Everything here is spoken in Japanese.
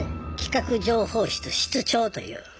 企画情報室室長という。